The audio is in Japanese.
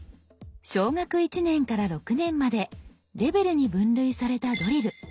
小学１年から６年までレベルに分類されたドリル。